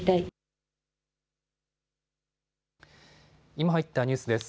今入ったニュースです。